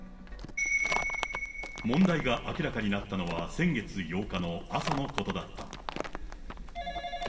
問題が明らかになったのは、先月８日の朝のことだった。